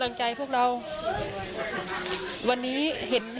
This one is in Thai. หลังจากผู้ชมไปฟังเสียงแม่น้องชมไป